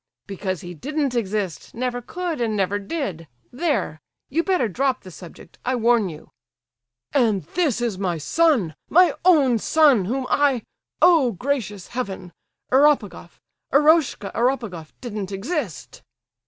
"Because he didn't exist—never could and never did—there! You'd better drop the subject, I warn you!" "And this is my son—my own son—whom I—oh, gracious Heaven! Eropegoff—Eroshka Eropegoff didn't exist!"